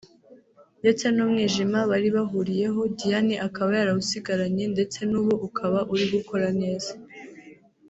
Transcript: ndetse n’umwijima bari bahuriyeho Diane akaba yarawusigaranye ndetse n’ubu ukaba uri gukora neza